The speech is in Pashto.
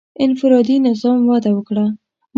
• انفرادي نظام وده وکړه.